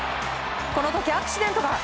この時アクシデントが。